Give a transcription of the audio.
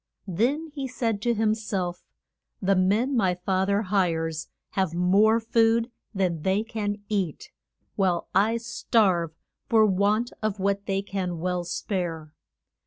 Then he said to him self, The men my fa ther hires have more food than they can eat, while I starve for want of what they can well spare.